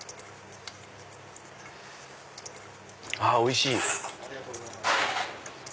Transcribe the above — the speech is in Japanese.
あっおいしい！